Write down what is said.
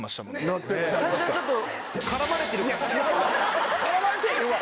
違うわ絡まれてへんわ。